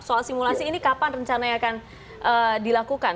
soal simulasi ini kapan rencana yang akan dilakukan